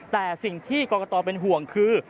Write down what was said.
แต่สิ่งที่กรกตเป็นห่วงคือ